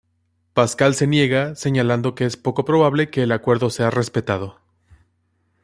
Pascal se niega, señalando que es poco probable que el acuerdo sea respetado.